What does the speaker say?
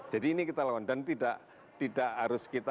jadi ini kita lakukan dan tidak harus kita